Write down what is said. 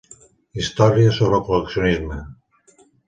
Història sobre el col·leccionisme.